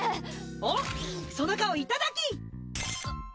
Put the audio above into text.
おっその顔いただき！